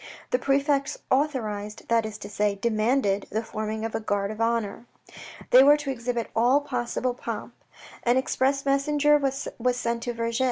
The prefect authorised, that is to say, demanded the forming of a guard of honour. They were to exhibit all possible pomp. An express messenger was sent to Vergy.